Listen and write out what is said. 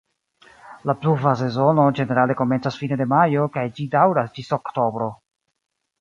La pluva sezono ĝenerale komencas fine de majo kaj ĝi daŭras ĝis oktobro.